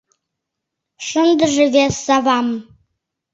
Шындыже вес савам